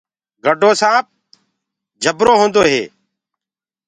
گَڊو سآنپ ڀوت جبرو هوندو هي۔